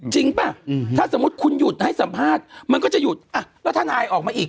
ป่ะถ้าสมมุติคุณหยุดให้สัมภาษณ์มันก็จะหยุดแล้วทนายออกมาอีก